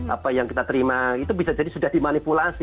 apa yang kita terima itu bisa jadi sudah dimanipulasi